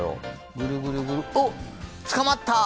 ぐるぐるぐる、おっ、捕まった！